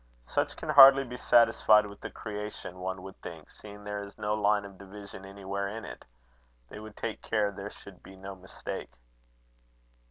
Such can hardly be satisfied with the creation, one would think, seeing there is no line of division anywhere in it. They would take care there should be no mistake."